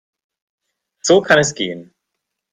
So kann es gehen.